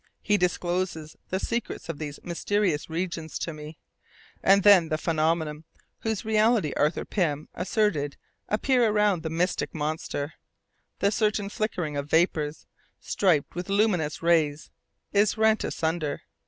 He discloses the secrets of these mysterious regions to me. And then, the phenomena whose reality Arthur Pym asserted appear around the mythic monster. The curtain of flickering vapours, striped with luminous rays, is rent asunder.